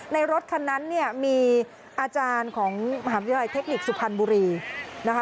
รถคันนั้นเนี่ยมีอาจารย์ของมหาวิทยาลัยเทคนิคสุพรรณบุรีนะคะ